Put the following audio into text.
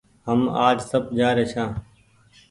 هم آج سب جآري ڇآن